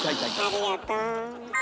ありがとう。